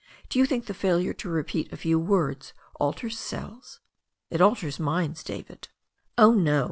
Do you think the failure to repeat a few words alters cells?" "It alters miflds, David." "Oh, no.